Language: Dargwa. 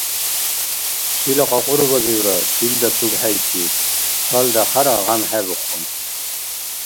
Шила кьакьурбазивра чилра цугхӀейкиб, цалра хяра гъямхӀебухъун.